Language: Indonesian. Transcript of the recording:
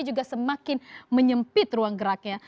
juga semakin menyempit ruang geraknya